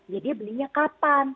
ya dia belinya kapan